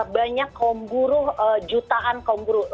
banyak kaum buruh jutaan kaum buruh